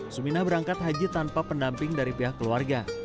suminah berangkat haji tanpa pendamping dari pihak keluarga